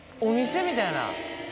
お店みたいな？